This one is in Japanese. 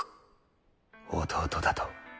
弟だと？